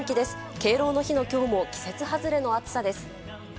敬老の日のきょうも季節外れの暑さです。